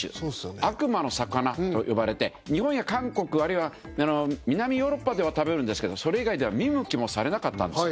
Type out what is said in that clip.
悪魔の魚と呼ばれて日本や韓国あるいは南ヨーロッパでは食べるんですけどそれ以外では見向きもされなかったんです。